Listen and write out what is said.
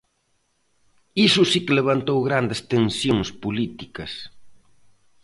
Iso si que levantou grandes tensións políticas.